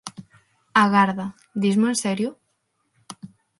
Agarda, dismo en serio?